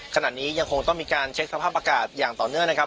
ขณะนี้ยังคงต้องมีการเช็คสภาพอากาศอย่างต่อเนื่องนะครับ